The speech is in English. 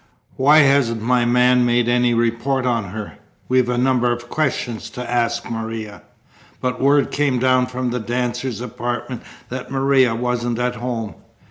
Why hasn't my man made any report on her? We've a number of questions to ask Maria." But word came down from the dancer's apartment that Maria wasn't at home.